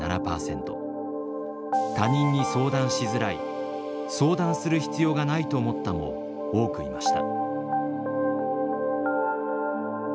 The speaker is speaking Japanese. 「他人に相談しづらい」「相談する必要がないと思った」も多くいました。